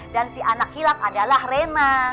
dan si anak hilang adalah rena